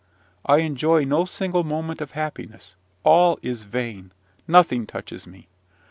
I enjoy no single moment of happiness: all is vain nothing touches me.